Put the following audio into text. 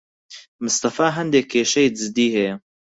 مستەفا هەندێک کێشەی جددی هەیە.